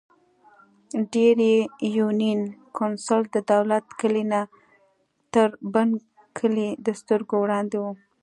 ډېرۍ يونېن کونسل ددولت کلي نه تر د بڼ کلي دسترګو وړاندې وو ـ